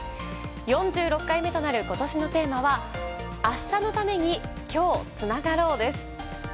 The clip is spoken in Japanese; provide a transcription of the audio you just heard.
４６回目となる今年のテーマは「明日のために、今日つながろう。」です。